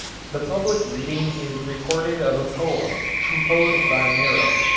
The public reading is recorded of a poem composed by Nero.